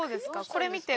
これ見て。